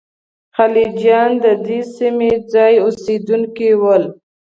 خلجیان د دې سیمې ځايي اوسېدونکي ول.